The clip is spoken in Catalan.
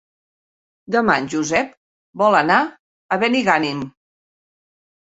Demà en Josep vol anar a Benigànim.